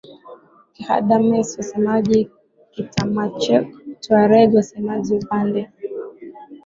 Kighadames wasemaji Kitamascheq Tuareg wasemaji Upande